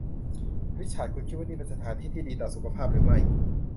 ริชาร์ดคุณคิดว่านี่เป็นสถานที่ที่ดีต่อสุขภาพหรือไม่ ?